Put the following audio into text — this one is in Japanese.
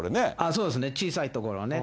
そうですね、小さい所はね。